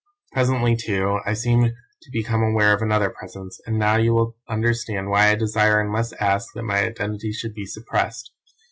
"Presently, too, I seemed to become aware of another presence, and now you will understand why I desire and must ask that my identity should be suppressed.